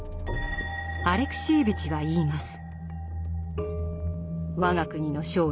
アレクシエーヴィチは言います。